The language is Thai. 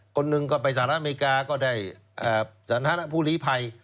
คนหนึ่งก็ไปสหรัฐอเมริกาก็ได้สถานะผู้ลีภัย